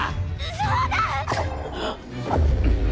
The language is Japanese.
そうだ！！